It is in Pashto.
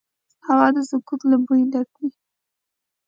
هوا د سکوت له بوی ډکه وي